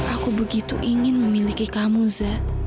aku begitu ingin memiliki kamu zed